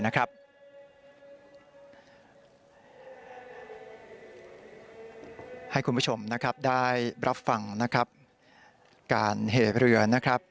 ให้คุณผู้ชมได้บรับฟังการเหบเรือ